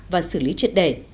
và xử lý triệt đề